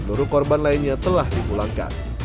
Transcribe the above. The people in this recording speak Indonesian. seluruh korban lainnya telah dipulangkan